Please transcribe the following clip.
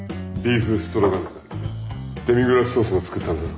デミグラスソースも作ったんだぞ。